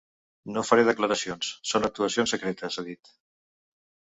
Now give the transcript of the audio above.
No faré declaracions, són actuacions secretes, ha dit.